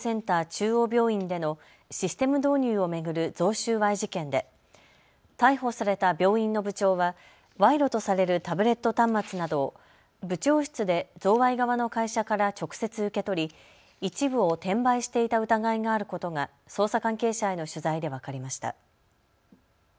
中央病院でのシステム導入を巡る贈収賄事件で、逮捕された病院の部長は賄賂とされるタブレット端末などを部長室で贈賄側の会社から直接受け取り一部を転売していた疑いがあることが捜査関係者への取材で分かりました。